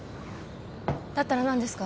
だったら何ですか？